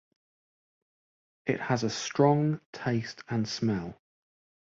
It has a strong taste and smell.